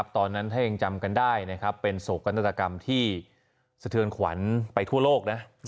ตอนนั้นถ้ายังจำกันได้เป็นโศกนาฏกรรมที่สะเทือนขวัญไปทั่วโลกนะ